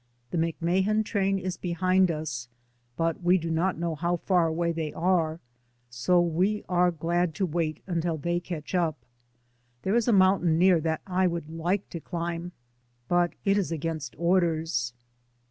The McMahan train is behind us, but we do not know how far away they are, so we are glad to wait until they catch up. There is a mountain near that I would like to climb, but it is against orders.